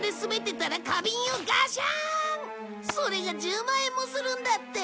それが１０万円もするんだって。